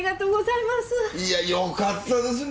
いやよかったですね